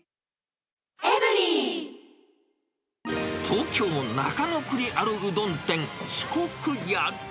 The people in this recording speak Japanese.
東京・中野区にあるうどん店、四国屋。